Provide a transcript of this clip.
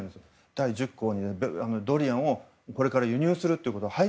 第１０項にドリアンをこれから輸入すると。